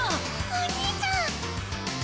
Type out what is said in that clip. お兄ちゃん！